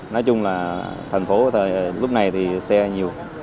nói chung là thành phố lúc này thì xe nhiều